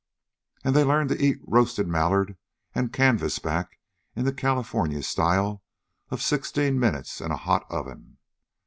And they learned to eat roasted mallard and canvasback in the California style of sixteen minutes in a hot oven.